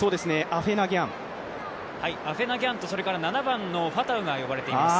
アフェナ・ギャンと７番のファタウが呼ばれています。